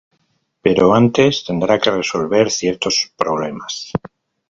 Pero antes tendrá que resolver ciertos problemas.